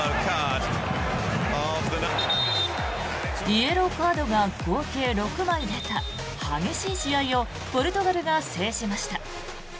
イエローカードが合計６枚出た激しい試合をポルトガルが制しました。